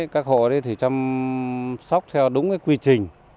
các hộ ở đây thì chăm sóc theo đúng quy trình